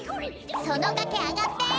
そのがけあがって！